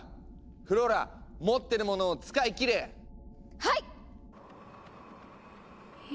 フローラ持ってるものを使い切れ！はいっ！